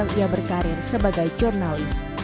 yang dia berkarir sebagai jurnalis